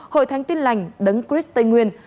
hội thánh tin lành đấng cris tây nguyên